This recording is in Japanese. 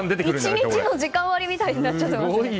１日の時間割みたいになっちゃってますね。